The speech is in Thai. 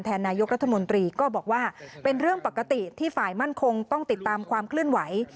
นายกรัฐมนตรีก็บอกว่าเป็นเรื่องปกติที่ฝ่ายมั่นคงต้องติดตามความเคลื่อนไหว